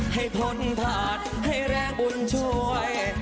ทนผ่านให้แรงบุญช่วย